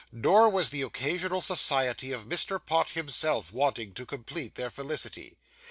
Nor was the occasional society of Mr. Pott himself wanting to complete their felicity.